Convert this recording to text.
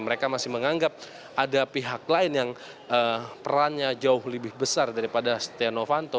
mereka masih menganggap ada pihak lain yang perannya jauh lebih besar daripada setia novanto